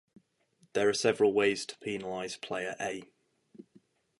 There are several ways to penalize Player A.